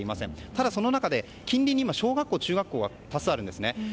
ただ、その中で近隣に小学校、中学校が多数あるんですね。